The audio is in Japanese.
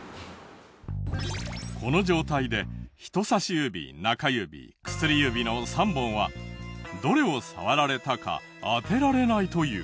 この状態で人さし指中指薬指の３本はどれを触られたか当てられないという。